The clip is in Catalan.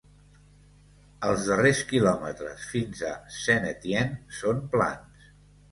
Els darrers quilòmetres, fins a Saint-Étienne són plans.